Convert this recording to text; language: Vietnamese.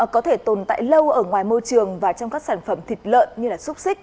có thể tồn tại lâu ở ngoài môi trường và trong các sản phẩm thịt lợn như xúc xích